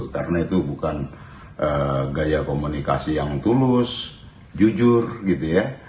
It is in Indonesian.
karena itu bukan gaya komunikasi yang tulus jujur gitu ya